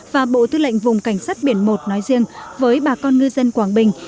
và bộ tư lệnh vùng cảnh sát biển một nói riêng với bà con ngư dân quảng bình